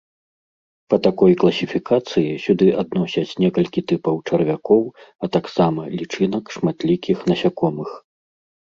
Па такой класіфікацыі сюды адносяць некалькі тыпаў чарвякоў, а таксама лічынак шматлікіх насякомых.